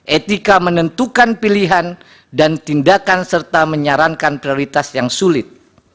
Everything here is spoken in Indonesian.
etika menentukan pilihan dan tindakan serta menyarankan prioritas yang sulit